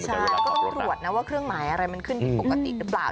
ใช่ก็ต้องตรวจนะว่าเครื่องหมายอะไรมันขึ้นผิดปกติหรือเปล่า